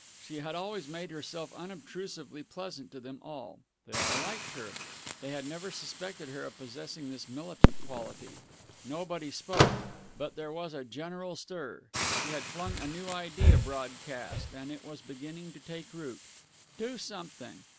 She had always made herself unobtrusively pleasant to them all. They all liked her. But they had never suspected her of possessing this militant quality. Nobody spoke, but there was a general stir. She had flung a new idea broadcast, and it was beginning to take root. Do something?